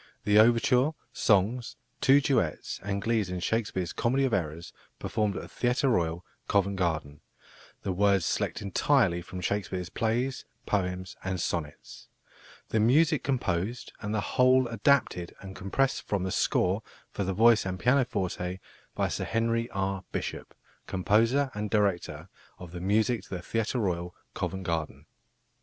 "The overture, songs, two duets, and glees in Shakespeare's Comedy of Errors, performed at the Theatre Royal, Covent Garden; the words selected entirely from Shakespeare's Plays, Poems, and Sonnets. The music composed and the whole adapted and compressed from the score for the voice and pianoforte by Sir Henry R. Bishop, Composer and Director of the Music to the Theatre Royal, Covent Garden."